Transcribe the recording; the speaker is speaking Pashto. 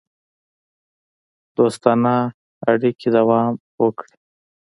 دوستانه اړیکې دوام وکړي.